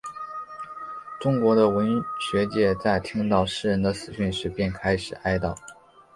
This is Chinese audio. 中国的文学界在听到诗人的死讯时便开始哀悼。